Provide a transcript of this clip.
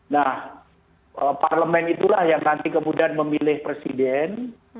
nah parlemen itulah yang nanti kemudian memilih presiden